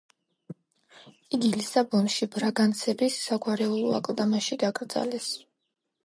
იგი ლისაბონში, ბრაგანსების საგვარეულო აკლდამაში დაკრძალეს.